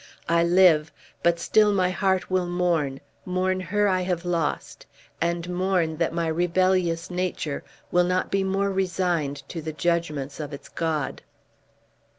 I live, but still my heart will mourn, mourn her I have lost and mourn that my rebellious nature will not be more resigned to the judgments of its God."